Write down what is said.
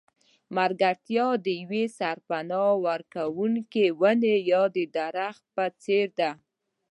ملګرتیا د یوې سرپناه ورکوونکې ونې یا درخته په څېر ده.